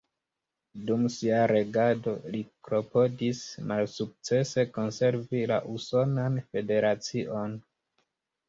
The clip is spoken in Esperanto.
Dum sia regado li klopodis malsukcese konservi la usonan federacion.